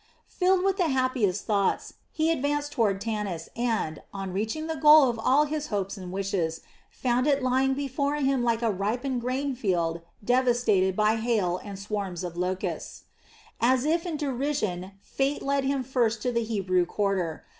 Filled with the happiest thoughts, he had advanced toward Tannis and, on reaching the goal of all his hopes and wishes, found it lying before him like a ripening grain field devastated by hail and swarms of locusts. As if in derision, fate led him first to the Hebrew quarter.